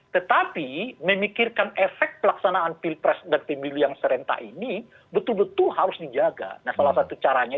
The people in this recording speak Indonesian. tetapi memikirkan efek pelaksanaan pilpres dan pemilu yang serentak ini itu ya